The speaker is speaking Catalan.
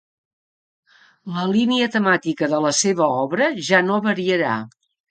La línia temàtica de la seva obra ja no variarà.